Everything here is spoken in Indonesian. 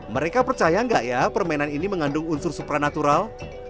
mereka percaya nggak ya permainan ini mengandung unsur supranatural